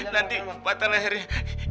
nanti batang lehernya